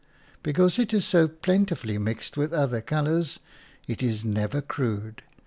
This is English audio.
Because it is so plentifully mixed with other colours, it is never crude.